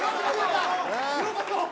ようこそ！